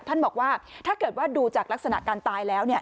ท่านบอกว่าถ้าเกิดว่าดูจากลักษณะการตายแล้ว